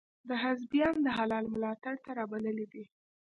ده حزبیان د هلال ملاتړ ته را بللي دي.